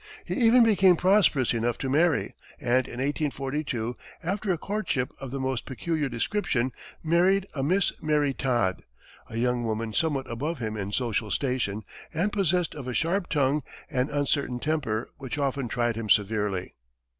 He even became prosperous enough to marry, and in 1842, after a courtship of the most peculiar description, married a Miss Mary Todd a young woman somewhat above him in social station, and possessed of a sharp tongue and uncertain temper which often tried him severely.